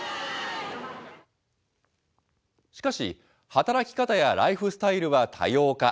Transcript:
しかし、働き方やライフスタイルは多様化。